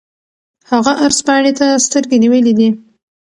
هغه عرض پاڼې ته سترګې نیولې دي.